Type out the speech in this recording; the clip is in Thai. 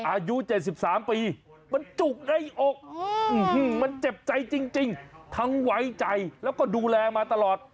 อายุ๗๓ปีมันจุกในอกมันเจ็บใจจริงทั้งไว้ใจแล้วก็ดูแลมาตลอด